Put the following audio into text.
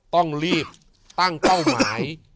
ต้องรีบตั้งเป้าหมาย